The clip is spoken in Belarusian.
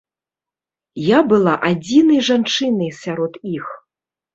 Я была адзінай жанчынай сярод іх.